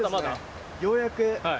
ようやく。